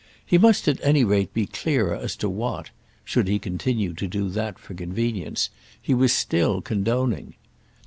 He must at any rate be clearer as to what—should he continue to do that for convenience—he was still condoning.